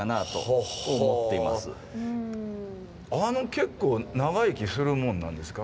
結構長生きするもんなんですか？